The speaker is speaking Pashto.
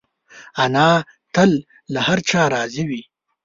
انا تل له هر چا راضي وي